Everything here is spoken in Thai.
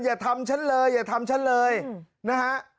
อย่าทำฉันเลยอย่าทำฉันเลยนะฮะ